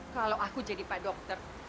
kalau aku jadi pak dokter